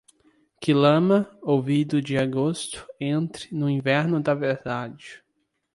Que lama, ouvido de agosto, entre no inverno da verdade.